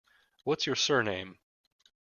What's your surname?